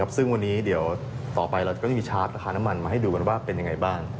ซึ่งวันนี้เดี๋ยวต่อไปเราก็จะมีชาร์จราคาน้ำมันมาให้ดูกันว่าเป็นยังไงบ้าง